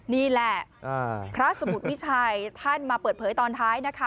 นี่แหละพระสมุทรวิชัยท่านมาเปิดเผยตอนท้ายนะคะ